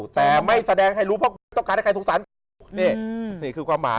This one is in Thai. แต่ไม่แสดงให้รู้เพราะกูไม่ต้องการให้ใครสงสารกูนี่นี่คือความหมาย